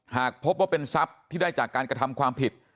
หากพบว่าเป็นทรัพย์ที่ได้จากการกระทำความผิด